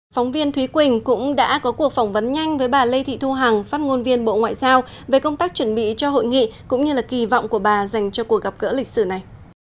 phóng viên thúy quỳnh cũng đã có cuộc phỏng vấn nhanh với bà lê thị thu hằng phát ngôn viên bộ ngoại giao về công tác chuẩn bị cho hội nghị cũng như kỳ vọng của bà dành cho cuộc gặp gỡ lịch sử này